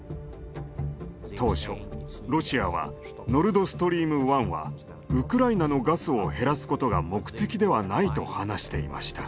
当初ロシアはノルドストリーム１はウクライナのガスを減らすことが目的ではないと話していました。